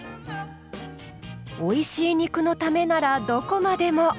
おいしい肉のためならどこまでも。